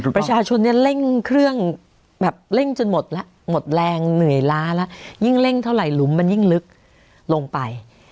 ประชาชนเนี่ยเร่งเครื่องแบบเร่งจนหมดแล้วหมดแรงเหนื่อยล้าแล้วยิ่งเร่งเท่าไหลุมมันยิ่งลึกลงไป